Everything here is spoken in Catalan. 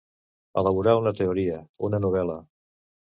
Elaborar una teoria, una novel·la.